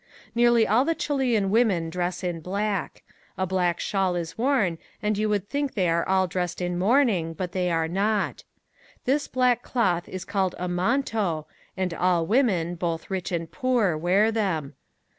Nearly all the Chilean women dress in black. A black shawl is worn and you would think they are all dressed in mourning, but they are not. This black cloth is called a manto and all women, both rich and poor, wear them.